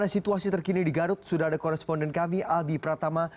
situasi terkini di garut sudah ada koresponden kami albi pratama